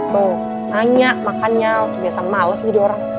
tuh tanya makan ya biasa males jadi orang